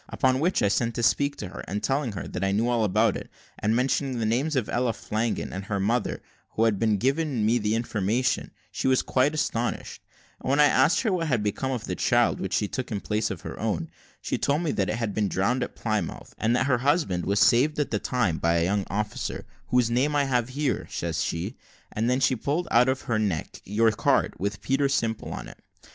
Upon which, I sent to speak to her, and telling her that I knew all about it, and mentioning the names of Ella Flanagan, and her mother, who had given me the information, she was quite astonished; and when I asked her what had become of the child which she took in place of her own, she told me that it had been drowned at Plymouth, and that her husband was saved at the same time by a young officer, `whose name I have here,' says she; and then she pulled out of her neck your card, with Peter Simple on it.